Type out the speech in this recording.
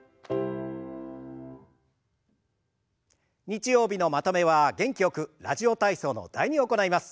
日曜日のまとめは元気よく「ラジオ体操」の「第２」を行います。